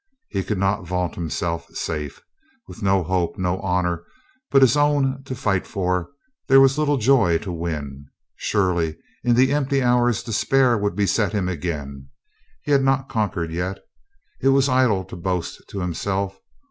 He could not vaunt himself safe. With no hope, no honor but his own to fight for, there was little joy to win. Surely in the empty hours despair would beset him again. He had not conquered yet. It was idle to boast to himself.